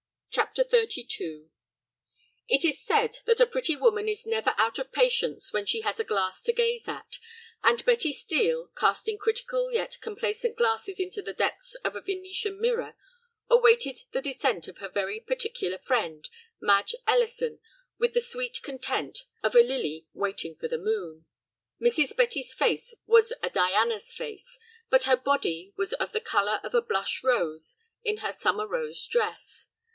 CHAPTER XXXII It is said that a pretty woman is never out of patience when she has a glass to gaze at, and Betty Steel, casting critical yet complacent glances into the depths of a Venetian mirror, awaited the descent of her very particular friend, Madge Ellison, with the sweet content of a lily waiting for the moon. Mrs. Betty's face was a Diana's face, but her body was of the color of a blush rose in her summer rose dress.